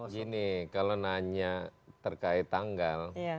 gini kalau nanya terkait tanggal